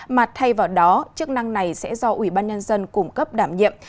mà thay vào đó chức năng này sẽ do ủy ban nhân dân cung cấp đảm nhiệm